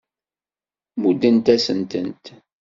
Muddent-asen-tent.